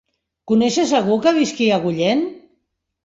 Coneixes algú que visqui a Agullent?